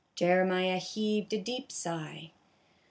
Jeremiah heaved a deep sigh.